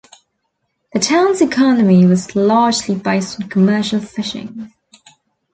The town's economy was largely based on commercial fishing.